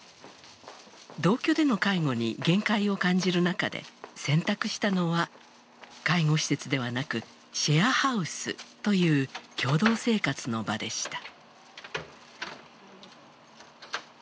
同居での介護に限界を感じる中で選択したのは介護施設ではなくシェアハウスという共同生活の場でした。